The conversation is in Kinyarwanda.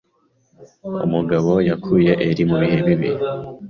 Umugabo yakuye Ellie mubihe bibi.